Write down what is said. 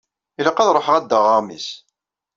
Ilaq ad ruḥeɣ ad d-aɣeɣ aɣmis.